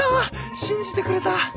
信じてくれた！